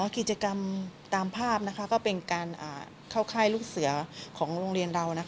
กิจกรรมตามภาพก็เป็นการเข้าค่ายลูกเสือของโรงเรียนเรา